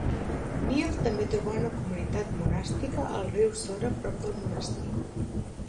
Nil també trobà una comunitat monàstica al riu Sora a prop del monestir.